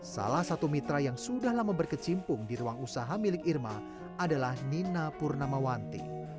salah satu mitra yang sudah lama berkecimpung di ruang usaha milik irma adalah nina purnamawanti